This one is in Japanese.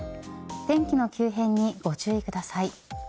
天気の急変にご注意ください。